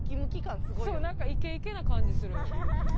何かイケイケな感じする。